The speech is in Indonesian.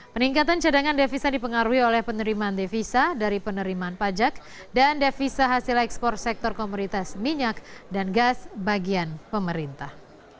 peningkatan cadangan devisa dipengaruhi oleh penerimaan devisa dari penerimaan pajak dan devisa hasil ekspor sektor komoditas minyak dan gas bagian pemerintah